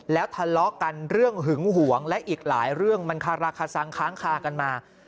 แล้วทะเลาะกันเรื่องหึงหวงและอีกหลายเรื่องมันคาราคาซังค้างคากันมา